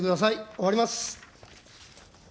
終わります。